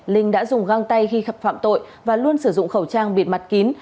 linh đã dùng găng tay khi khắp phạm tội và luôn sử dụng khẩu trang bịt mặt kín